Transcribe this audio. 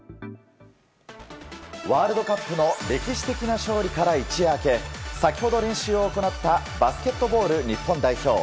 ワールドカップの歴史的勝利から一夜明け先ほど練習を行ったバスケットボール日本代表。